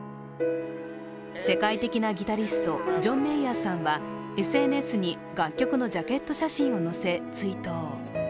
世界的なギタリスト、ジョン・メイヤーさんはＳＮＳに楽曲のジャケット写真を載せ追悼。